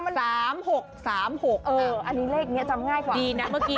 ๓๖๓๖อันนี้เลขนี้จำง่ายกว่า